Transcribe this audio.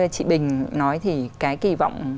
chị bình nói thì cái kỳ vọng